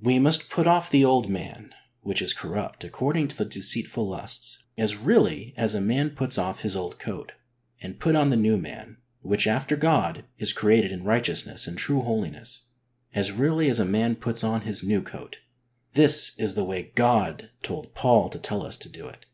We must "put off the old man, which is corrupt according to the deceitful lusts," as really as a man puts off his old coat, and "put on the new man, which after God is created in righteousness and true holiness," as really as a man puts on his new coat. This is the way God told Paul to tell us to do it.